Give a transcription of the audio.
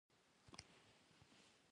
دا په مشخصه او ټاکلې دوره کې وي.